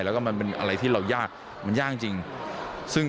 แล้วก็มันเป็นอะไรที่เรายากมันยากจริงซึ่ง